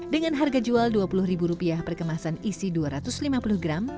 dengan harga jual dua puluh ribu rupiah perkemasan isi dua ratus lima puluh gram